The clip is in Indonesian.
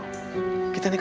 kita ini kan bapak